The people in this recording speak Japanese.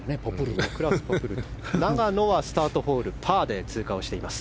永野はスタートホールパーで通過しています。